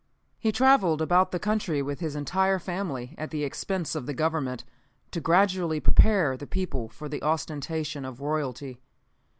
"He traveled about the country with his entire family, at the expense of the Government, to gradually prepare the people for the ostentation of royalty.